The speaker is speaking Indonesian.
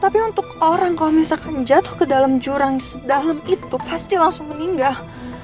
tapi untuk orang kalau misalkan jatuh ke dalam jurang dalam itu pasti langsung meninggal